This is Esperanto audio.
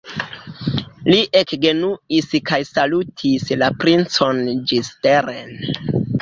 Li ekgenuis kaj salutis la princon ĝisteren.